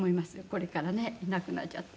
これからねいなくなっちゃって。